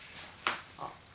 あっ。